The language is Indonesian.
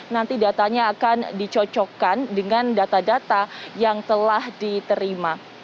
nanti datanya akan dicocokkan dengan data data yang telah diterima